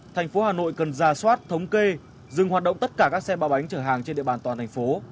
thành phố hà nội cần ra soát thống kê dừng hoạt động tất cả các xe ba bánh chở hàng trên địa bàn toàn thành phố